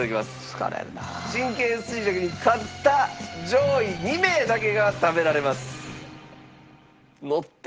神経衰弱に勝った上位２名だけが食べられます。